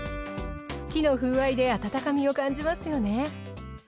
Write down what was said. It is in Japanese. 木の風合いで温かみを感じますよね。